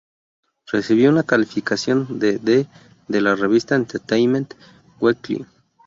Recibió una calificación de D de la revista Entertainment Weekly.